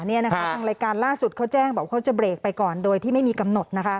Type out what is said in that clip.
ทางรายการล่าสุดเขาแจ้งบอกเขาจะเบรกไปก่อนโดยที่ไม่มีกำหนด